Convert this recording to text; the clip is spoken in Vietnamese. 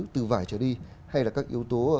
từ vải trở đi hay các yếu tố